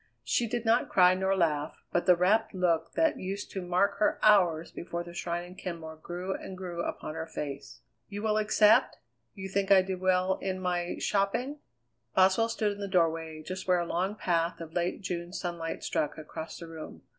She did not cry nor laugh, but the rapt look that used to mark her hours before the shrine in Kenmore grew and grew upon her face. "You will accept? You think I did well in my shopping?" Boswell stood in the doorway, just where a long path of late June sunlight struck across the room.